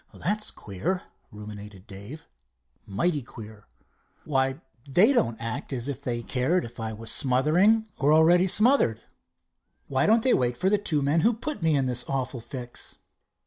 "That's queer," ruminated Dave, "mighty queer. Why, they don't act as if they cared if I was smothering or already smothered. Why don't they wait for the two men who put me in this awful fix?"